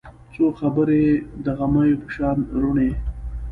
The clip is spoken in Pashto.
څو خبرې د غمیو په شان روڼې